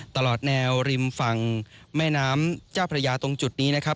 ตลอดแนวริมฝั่งแม่น้ำเจ้าพระยาตรงจุดนี้นะครับ